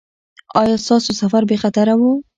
ایا ستاسو سفر بې خطره و؟